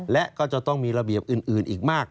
และก็จะต้องมีระเบียบอื่นอีกมาก